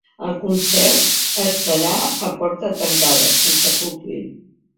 El concert es farà a porta tancada, sense públic.